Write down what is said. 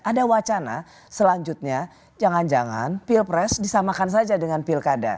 ada wacana selanjutnya jangan jangan pilpres disamakan saja dengan pilkada